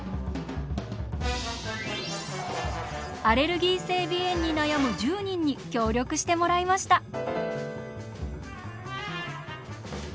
アレルギー性鼻炎に悩む１０人に協力してもらいました。